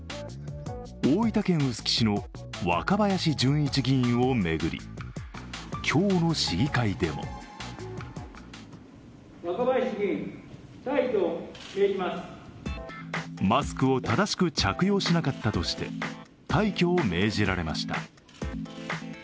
大分県臼杵市の若林純一議員を巡り、今日の市議会でもマスクを正しく着用しなかったとして、退去を命じられました。